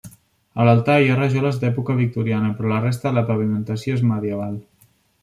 A l'altar hi ha rajoles d'època victoriana, però la resta de la pavimentació és medieval.